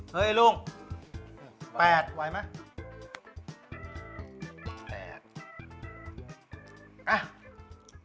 เฮ้ยลุง๘ไหวมั้ย